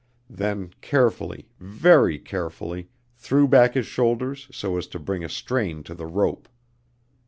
Then carefully, very carefully, threw back his shoulders so as to bring a strain to the rope.